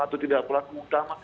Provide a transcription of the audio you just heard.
atau tidak pelaku utama